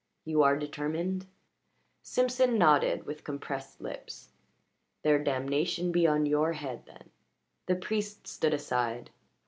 "You are determined?" Simpson nodded with compressed lips. "Their damnation be on your head, then." The priest stood aside.